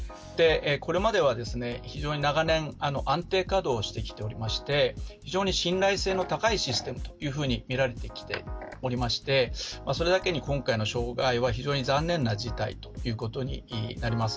これまでは非常に長年安定稼働してきておりまして非常に信頼性の高いシステムというふうに見られてきておりましてそれだけに今回の障害は非常に残念な事態ということになります。